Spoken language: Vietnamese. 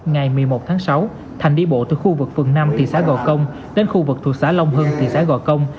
ngày một mươi một tháng sáu thành đi bộ từ khu vực phường năm thị xã gò công đến khu vực thuộc xã long hưng thị xã gò công